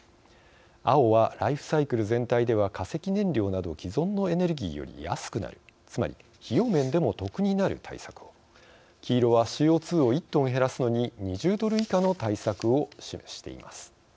青はライフサイクル全体では化石燃料など既存のエネルギーより安くなるつまり費用面でも得になる対策を黄色はＣＯ２を１トン減らすのに２０ドル以下の対策を示しています。